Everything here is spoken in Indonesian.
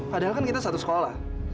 padahal kan kita satu sekolah